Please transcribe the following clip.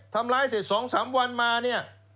ทำร้ายเสร็จสองสามวันมาเนี่ย